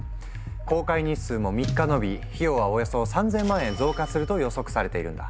航海日数も３日のび費用はおよそ３，０００万円増加すると予測されているんだ。